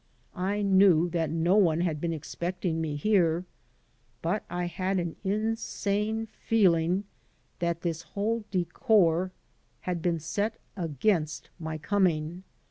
I knew that no one had been expecting me here, but I had an insane feel ing that this whole ddcor had been set against my coming.